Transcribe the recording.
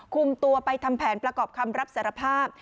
คุมตัวไปทำแผนประกอบคำรับสารภาพ